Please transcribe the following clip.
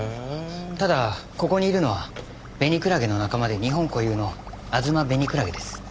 ただここにいるのはベニクラゲの仲間で日本固有のアズマベニクラゲです。